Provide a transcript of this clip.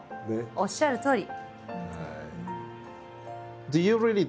おっしゃるとおり。